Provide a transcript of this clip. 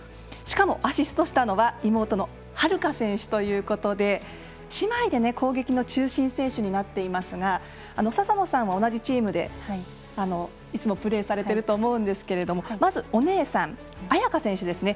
しかも、アシストしたのは妹の床秦留可選手ということで姉妹で攻撃の中心選手になっていますが、笹野さんは同じチームでいつもプレーされていると思うんですがまず、お姉さんの亜矢可選手